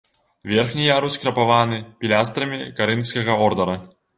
Верхні ярус крапаваны пілястрамі карынфскага ордара.